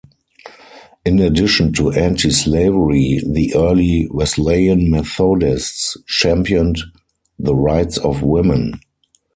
In addition to anti-slavery, the early Wesleyan Methodists championed the rights of women.